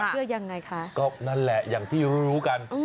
เพื่อยังไงคะก็นั่นแหละอย่างที่รู้กัน